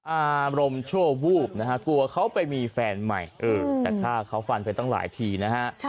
อารมณ์ชั่ววูบนะฮะกลัวเขาไปมีแฟนใหม่แต่ฆ่าเขาฟันไปตั้งหลายทีนะฮะ